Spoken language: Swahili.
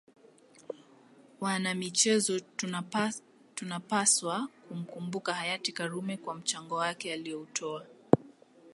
Wanamichezo tunapswa kumkumbuka Hayati Karume kwa mchango wake alioutoa